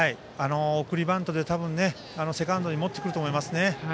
送りバントでセカンドに持ってくると思いますね。